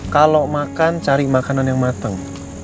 kalo makan cari makanan yang mateng